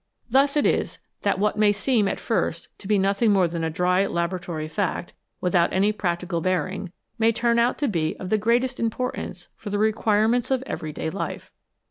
Thus it is that what may seem at first to be nothing more than a dry laboratory fact, without any practical bearing, may turn out to be of the greatest importance for the requirements of everyday life.